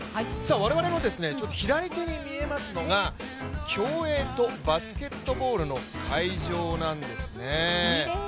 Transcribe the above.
我々の左手に見えますのが競泳とバスケットボールの会場なんですね。